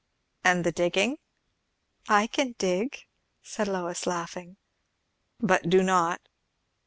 "And the digging?" "I can dig," said Lois, laughing. "But do not?"